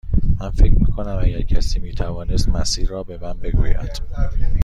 من فکر می کنم اگر کسی می توانست مسیر را به من بگوید.